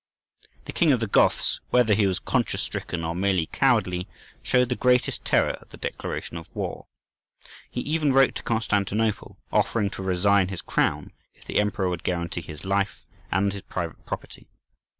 The king of the Goths, whether he was conscience stricken or merely cowardly, showed the greatest terror at the declaration of war. He even wrote to Constantinople offering to resign his crown, if the Emperor would guarantee his life and his private property.